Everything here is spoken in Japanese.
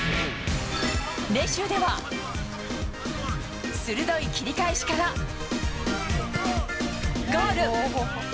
練習では、鋭い切り返しから、ゴール。